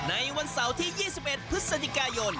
ในวันเสาร์ที่๒๑พฤศจิกายน